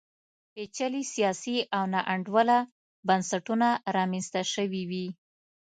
پېچلي سیاسي او ناانډوله بنسټونه رامنځته شوي وي.